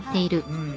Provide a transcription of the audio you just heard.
うん。